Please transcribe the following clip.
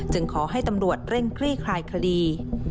ขอให้ตำรวจเร่งคลี่คลายคดี